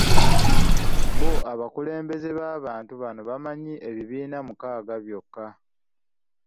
Bo abakulembeze b'abantu bano bamanyi ebibiina mukaaga byokka.